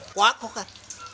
quá khó khăn